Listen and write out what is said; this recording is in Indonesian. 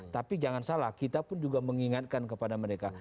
tapi jangan salah kita pun juga mengingatkan kepada mereka